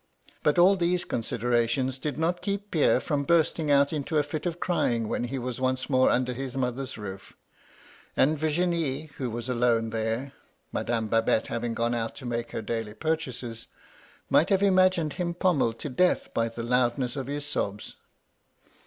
But all these considerations did not keep Pierre from bursting out into a fit of crying when he was once more under his mother's roof ; and Virginie, who was alone there (Madame Babette having gone out to make her daily purchases), might have imagined him pommeled to death by the loudness of his sobs.